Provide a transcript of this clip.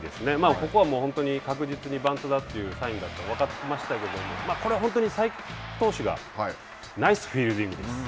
ここは本当に、確実にバントだというサインだと分かっていましたけど、これは本当に才木投手がナイスフィールディングです。